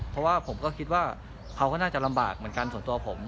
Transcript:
เพราะว่าผมก็คิดว่าเขาก็น่าจะลำบากเหมือนกันส่วนตัวผม